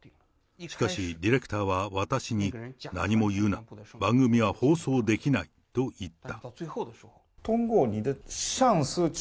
しかしディレクターは私に、何も言うな、番組は放送できないと言った。